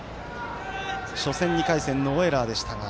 初戦、２回戦ノーエラーでしたが。